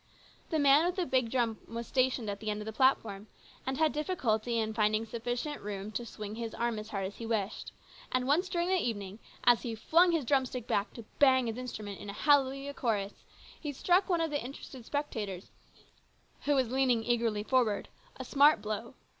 The man with the big drum was stationed at the end of the platform, and had difficulty in rinding sufficient room to swing his arm as hard as he wished, and once during the evening as he flung his drum stick back to bang his instrument in a hallelujah chorus, he struck one of the interested spectators, who was leaning eagerly forward, a smart 140 A MEMORABLE NIGHT. 141 blow.